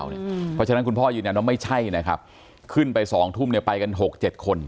เพราะฉะนั้นคุณพ่อยืนยันว่าไม่ใช่นะครับขึ้นไป๒ทุ่มเนี่ยไปกัน๖๗คน